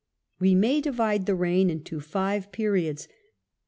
We may divide the reign into five periods.